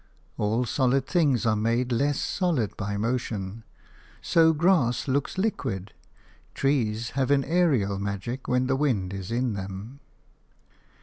All solid things are made less solid by motion – so grass looks liquid, trees have an aerial magic when the wind is in them.